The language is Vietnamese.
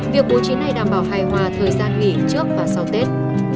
việc bố trí này đảm bảo hài hòa thời gian nghỉ trước và sau tết